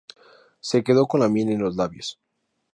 Se quedó con la miel en los labios